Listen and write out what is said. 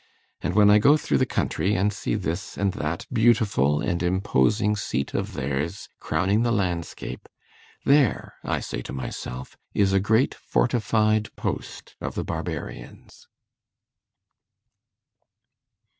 And when I go through the country, and see this and that beautiful and imposing seat of theirs crowning the landscape, "There," I say to myself, "is a great fortified post of the Barbarians."